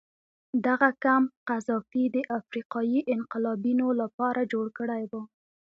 دغه کمپ قذافي د افریقایي انقلابینو لپاره جوړ کړی و.